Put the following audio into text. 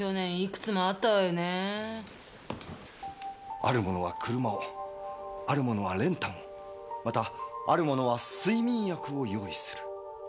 ある者は車をある者は練炭をまたある者は睡眠薬を用意する。